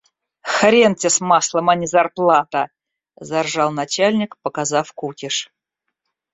«Хрен те с маслом, а не зарплата!» — заржал начальник, показав кукиш.